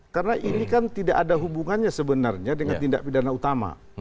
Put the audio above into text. karena ini kan tidak ada hubungannya sebenarnya dengan tindak pidana utama